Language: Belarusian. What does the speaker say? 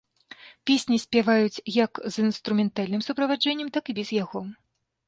Песні спяваюць як з інструментальным суправаджэннем, так і без яго.